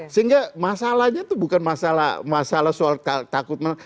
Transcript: sehingga masalahnya itu bukan masalah soal takut